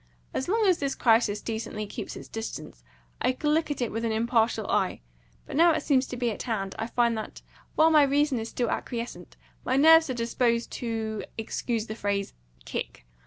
As long as this crisis decently kept its distance, I could look at it with an impartial eye; but now that it seems at hand, I find that, while my reason is still acquiescent, my nerves are disposed to excuse the phrase kick.